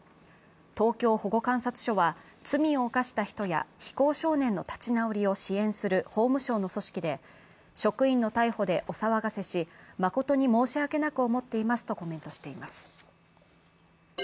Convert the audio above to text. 東京保護観察所は、罪を犯した人や非行少年の立ち直りを支援する法務省の組織で職員の逮捕でお騒がせし誠に申し訳なく思っていますとコメントしています。